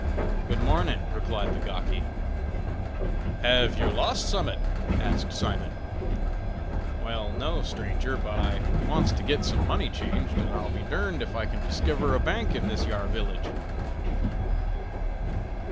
"Good mornin'!" replied the gawky. "Have yer lost summat?" asked Simon. "Wal, no, stranger, but I wants to git some money changed, and I'll be durned if I can diskiver a bank in this yar village."